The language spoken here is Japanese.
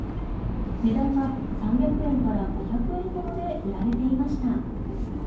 値段は３００円から５００円ほどで売られていました。